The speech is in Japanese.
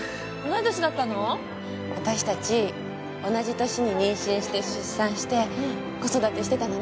わたしたち同じ年に妊娠して出産して子育てしてたのね。